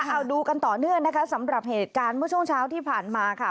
เอาดูกันต่อเนื่องนะคะสำหรับเหตุการณ์เมื่อช่วงเช้าที่ผ่านมาค่ะ